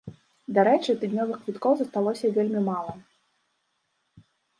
Дарэчы, тыднёвых квіткоў засталося вельмі мала.